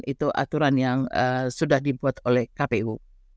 itu aturan yang sudah dibuat oleh kpu